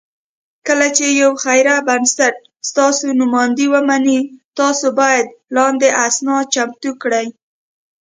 کله چې یو خیري بنسټ ستاسو نوماندۍ ومني، تاسو باید لاندې اسناد چمتو کړئ: